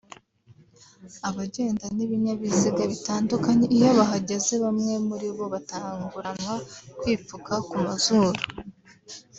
abagenda n’ibinyabiziga bitandukanye iyo bahageze bamwe muri bo batanguranwa kwipfuka ku mazuru